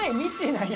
なんや。